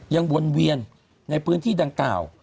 วนเวียนในพื้นที่ดังกล่าว